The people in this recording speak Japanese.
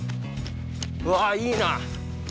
うわあいいな。